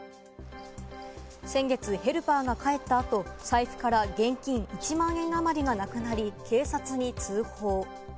先月ヘルパーが帰った後、財布から現金１万円あまりがなくなり警察に通報。